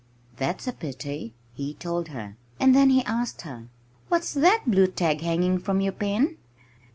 "That's a pity," he told her. And then he asked her, "What's that blue tag hanging from your pen?"